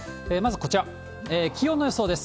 まずこちら、気温の予想です。